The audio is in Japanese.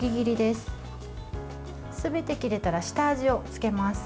すべて切れたら下味をつけます。